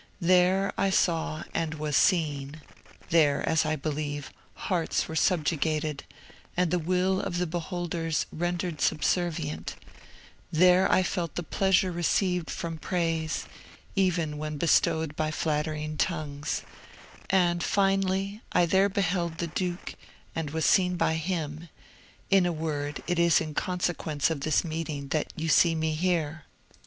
There I saw and was seen; there, as I believe, hearts were subjugated, and the will of the beholders rendered subservient; there I felt the pleasure received from praise, even when bestowed by flattering tongues; and, finally, I there beheld the duke, and was seen by him; in a word, it is in consequence of this meeting that you see me here.